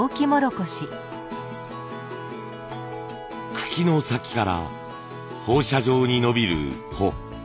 茎の先から放射状に伸びる穂。